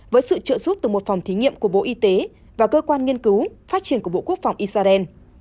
với sự trợ giúp từ một phòng thí nghiệm của bộ y tế và cơ quan nghiên cứu phát triển của bộ quốc phòng israel